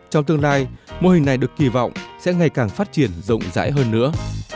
trong tương lai mô hình này được kỳ vọng sẽ ngày càng phát triển rộng rãi hơn nữa